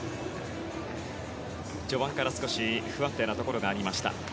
序盤から少し不安定なところがありました。